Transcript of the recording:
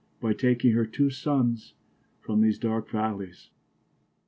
By taking her two Sunnes from these darke vallies.